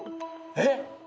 えっ！